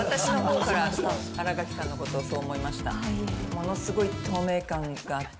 ものすごい透明感があって。